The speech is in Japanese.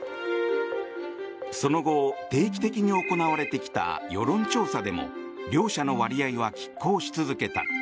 その後、定期的に行われてきた世論調査でも両者の割合は拮抗し続けた。